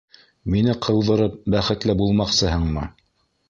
Мине ҡыуҙырып бәхетле булмаҡсыһыңмы?